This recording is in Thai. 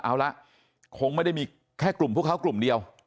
เอาละคงไม่ได้มีแค่กลุ่มพวกเขากลุ่มเดียว